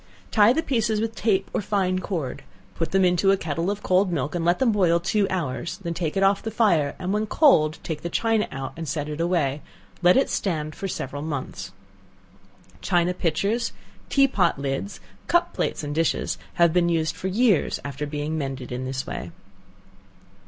Tie the pieces with tape or fine cord, put them into a kettle of cold milk, and let them boil two hours, then take it off the fire, and when cold take the china out, and set it away; let it stand for several months. China pitchers, tea pot lids, cup plates and dishes, have been used for years after being mended in this way.